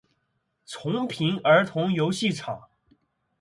重平儿童游戏场